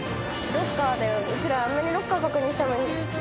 うちらあんなにロッカー確認したのに。